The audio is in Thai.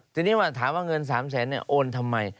ทีนี้ว่าถามว่าเงิน๓แสนโอนทำไม